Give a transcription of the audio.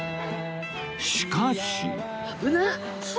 しかし